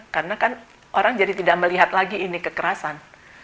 karena kan orang jadi tidak melihat lagi ini kekerasan